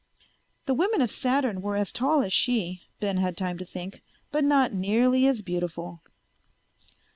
The women of Saturn were as tall as she, Ben had time to think, but not nearly as beautiful.